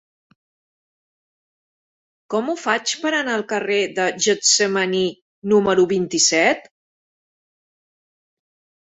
Com ho faig per anar al carrer de Getsemaní número vint-i-set?